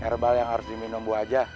herbal yang harus diminum buah aja